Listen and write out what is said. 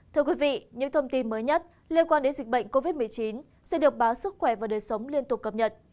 thưa quý vị những thông tin mới nhất liên quan đến dịch bệnh covid một mươi chín sẽ được báo sức khỏe và đời sống liên tục cập nhật